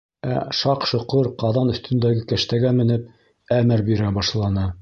Ә Шаҡ-Шоҡор ҡаҙан өҫтөндәге кәштәгә менеп, әмер бирә башланы.